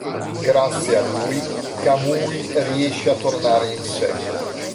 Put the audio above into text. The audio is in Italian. Grazie a lui, Kamui riesce a tornare in sé.